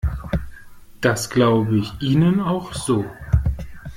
Das glaube ich Ihnen auch so.